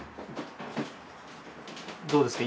どうですか？